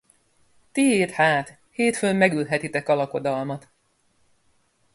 Tiéd hát, hétfőn megülhetitek a lakodalmat.